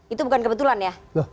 itu bukan kebetulan ya